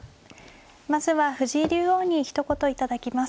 まずは藤井竜王にひと言頂きます。